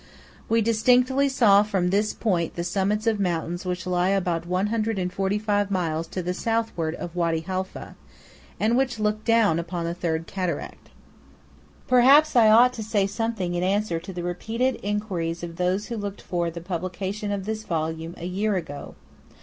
We distinctly saw from this point the summits of mountains which lie about 145 miles to the southward of Wady Halfeh, and which look down upon the Third Cataract. Perhaps I ought to say something in answer to the repeated inquiries of those who looked for the publication of this volume a year ago.